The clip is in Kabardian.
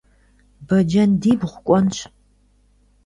Бэджэндибгъу кӀуэнщ.